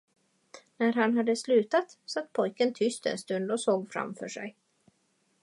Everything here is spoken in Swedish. När han hade slutat, satt pojken tyst en stund och såg framför sig.